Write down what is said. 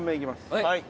はい。